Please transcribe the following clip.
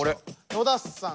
野田さん。